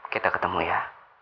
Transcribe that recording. kita ketemu ya